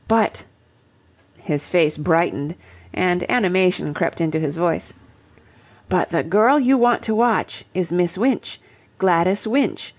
"But " His face brightened and animation crept into his voice. "But the girl you want to watch is Miss Winch. Gladys Winch.